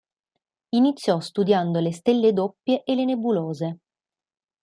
Iniziò studiando le stelle doppie e le nebulose.